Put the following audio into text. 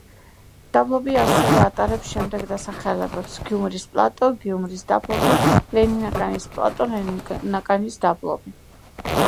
დაბლობი ასევე ატარებს შემდეგ დასახელებებს: გიუმრის პლატო, გიუმრის დაბლობი, ლენინაკანის პლატო, ლენინაკანის დაბლობი.